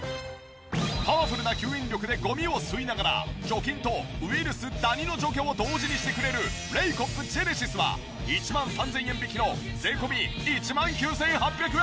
パワフルな吸引力でゴミを吸いながら除菌とウイルス・ダニの除去を同時にしてくれるレイコップジェネシスは１万３０００円引きの税込１万９８００円。